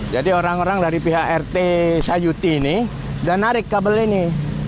jadi orang orang dari pihak rt sayuti ini sudah narik kabel ini